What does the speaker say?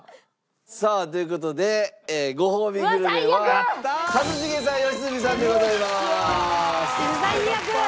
さあという事でごほうびグルメは一茂さん良純さんでございます。